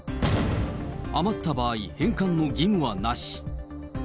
余った場合、返還の義務はなし。